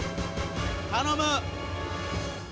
頼む！